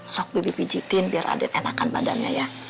sok bebi pijitin biar aden enakan badannya ya